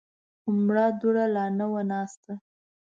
خو مړه دوړه لا نه وه ناسته.